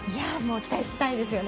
期待したいですよね。